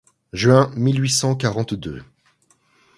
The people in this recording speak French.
Juin mille huit cent quarante-deux.